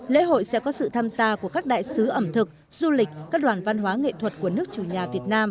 lễ hội sẽ có sự tham gia của các đại sứ ẩm thực du lịch các đoàn văn hóa nghệ thuật của nước chủ nhà việt nam